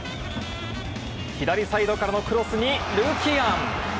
左サイドからのクロスにルキアン。